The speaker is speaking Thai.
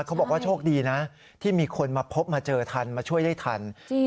เขาบอกว่าโชคดีนะที่มีคนมาพบมาเจอทันมาช่วยได้ทัน